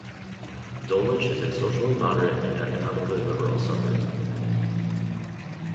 Dulwich is a socially moderate and economically liberal suburb.